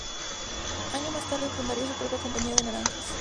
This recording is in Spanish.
Años más tarde fundaría su propia compañía de naranjas.